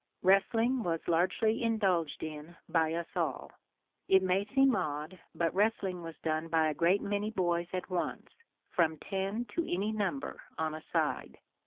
Wrestling was largely indulged in by us all. It may seem odd, but wrestling was done by a great many boys at once from ten to any number on a side.